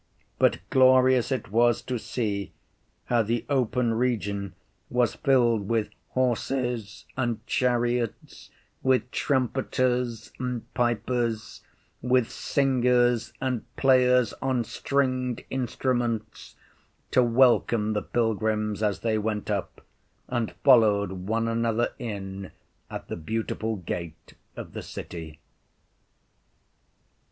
But glorious it was to see how the open region was filled with horses and chariots, with trumpeters and pipers, with singers and players on stringed instruments, to welcome the pilgrims as they went up, and followed one another in at the beautiful gate of the city.